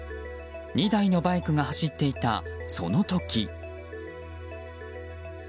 ２台のバイクが走っていたその時。